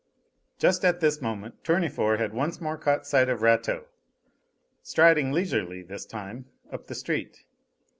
Just at this moment Tournefort had once more caught sight of Rateau, striding leisurely this time up the street.